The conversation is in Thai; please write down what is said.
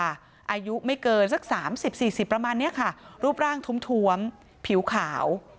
อายุไม่เกินสัก๓๐๔๐ประมาณนี้ค่ะรูปร่างถวมผิวขาว